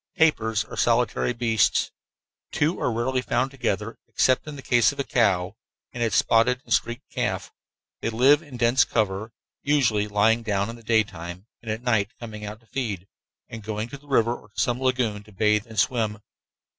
Tapirs are solitary beasts. Two are rarely found together, except in the case of a cow and its spotted and streaked calf. They live in dense cover, usually lying down in the daytime and at night coming out to feed, and going to the river or to some lagoon to bathe and swim.